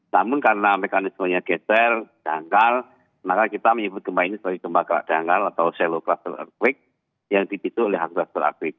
namun karena mekanismenya geser dangkal maka kita menyebut gempa ini sebagai gempa kerak dangkal atau shallow crustal earthquake yang ditituh oleh high crustal earthquake